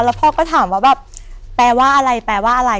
แล้วพ่อก็ถามว่าแบบแปลว่าอะไรแปลว่าอะไร